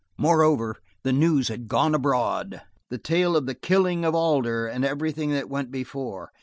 Moreover, the news had gone abroad, the tale of the Killing of Alder and everything that went before.